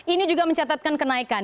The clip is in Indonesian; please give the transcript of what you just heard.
ini juga mencatatkan kenaikan